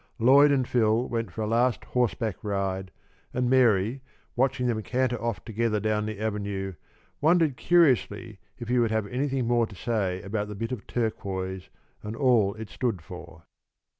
Lloyd and Phil went for a last horseback ride, and Mary, watching them canter off together down the avenue, wondered curiously if he would have anything more to say about the bit of turquoise and all it stood for.